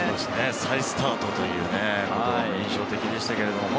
再スタートという言葉が印象的でした。